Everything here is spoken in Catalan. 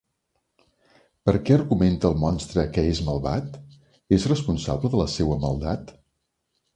Per què argumenta el monstre que és malvat? És responsable de la seua maldat?